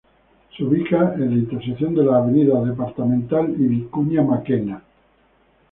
Se ubica en la intersección de las avenidas Departamental y Vicuña Mackenna.